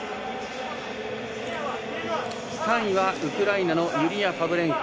３位はウクライナのユリア・パブレンコ。